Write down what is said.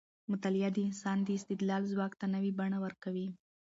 مطالعه د انسان د استدلال ځواک ته نوې بڼه ورکوي.